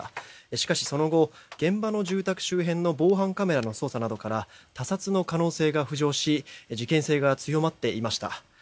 しかし、その後現場の住宅周辺の防犯カメラの捜査などから他殺の可能性が浮上し事件性が強まっていました。